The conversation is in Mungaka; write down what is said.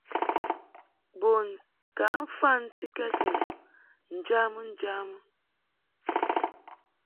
Bun ka mfantikɛd nu njamɨ njamɨ.